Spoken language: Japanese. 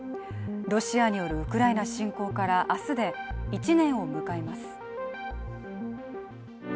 ロシアによるウクライナ侵攻から明日で１年を迎えます。